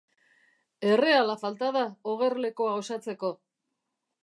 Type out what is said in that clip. Erreala falta da ogerlekoa osatzeko.